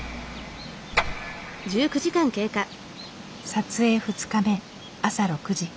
撮影２日目朝６時。